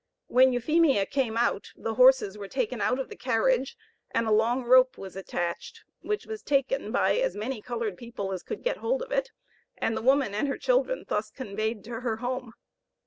When Euphemia came out, the horses were taken out of the carriage, and a long rope was attached, which was taken by as many colored people as could get hold of it, and the woman and her children thus conveyed to her home.